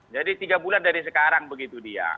jadi tiga bulan dari sekarang begitu dia